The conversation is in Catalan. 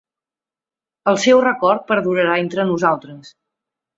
El seu record perdurarà entre nosaltres.